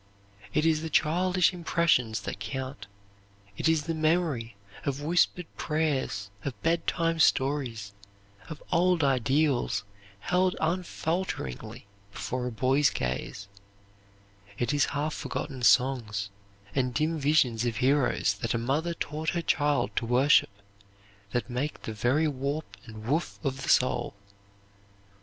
"It is the childish impressions that count. It is the memory of whispered prayers, of bedtime stories, of old ideals held unfalteringly before a boy's gaze; it is half forgotten songs, and dim visions of heroes that a mother taught her child to worship, that make the very warp and woof of the soul.